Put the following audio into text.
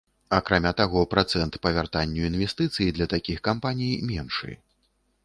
Акрамя таго, працэнт па вяртанню інвестыцый для такіх кампаній меншы.